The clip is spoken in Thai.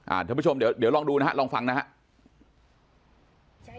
อ่าเดี๋ยวเพื่อนผู้ชมเดี๋ยวลองดูนะลองฟังนะฮะ